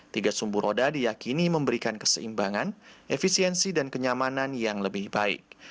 tiga sumbu roda diyakini memberikan keseimbangan efisiensi dan kenyamanan yang lebih baik